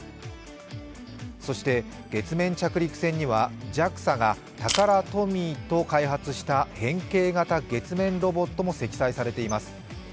そして月面着陸船にはＪＡＸＡがタカラトミーと開発した変形型月面ロボットも積載されています。